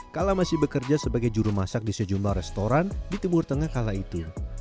kala masih bekerja sebagai juru masak di sejumlah restoran di timur tengah kala itu